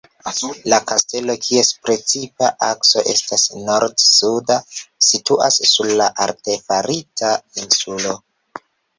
La kastelo, kies precipa akso estas nord-suda, situas sur artefarita insulo.